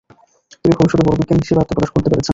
তিনি ভবিষ্যতে বড় বিজ্ঞানী হিসেবে আত্মপ্রকাশ করতে পেরেছেন।